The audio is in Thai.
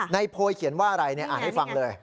โพยเขียนว่าอะไรอ่านให้ฟังเลย